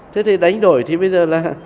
thế thì đánh đổi thì bây giờ là